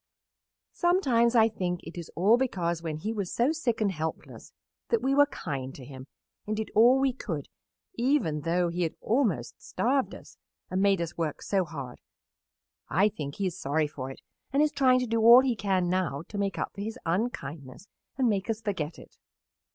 Sometimes I think it is all because when he was so sick and helpless that we were kind to him and did all we could even though he had almost starved us and made us work so hard. I think he is sorry for it and is trying to do all he can now to make up for his unkindness and make us forget it."